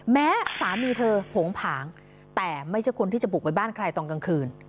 แม้สามีเธอโผงผางแต่ไม่ใช่คนที่จะบุกไปบ้านใครตอนกลางคืน